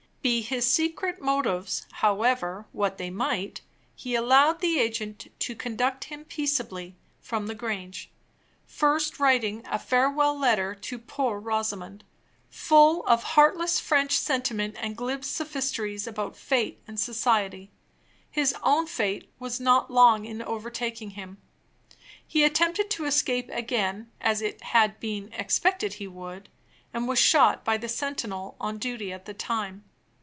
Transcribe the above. Be his secret motives, however, what they might, he allowed the agent to conduct him peaceably from the Grange; first writing a farewell letter to poor Rosamond, full of heartless French sentiment and glib sophistries about Fate and Society. His own fate was not long in overtaking him. He attempted to escape again, as it had been expected he would, and was shot by the sentinel on duty at the time.